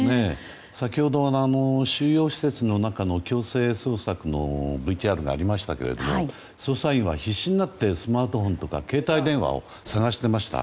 先ほど、収容施設の中の強制捜索のＶＴＲがありましたけれども捜査員は、必死になってスマートフォンとか携帯電話を探していました。